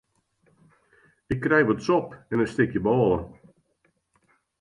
Ik krij wat sop en in stikje bôle.